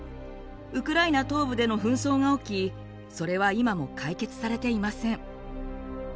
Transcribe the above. ウクライナ東部での紛争が起きそれは今も解決されていません。